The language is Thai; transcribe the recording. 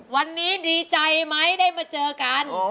วันนี้ดีใจไหมได้มาเจอกัน